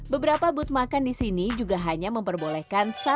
beberapa booth makan di sini juga memiliki perangkat yang berkaitan dengan kesehatan